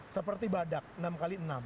seperti badak enam x enam